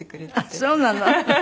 ああそうなの！